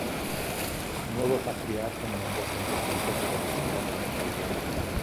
Il nuovo patriarca non ebbe molto tempo per esercitare la sua autorità.